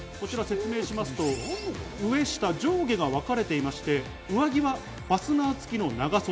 説明しますと上下、上下がわかれていまして、上着はファスナーつきの長袖。